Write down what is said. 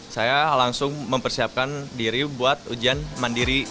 saya langsung mempersiapkan diri buat ujian mandiri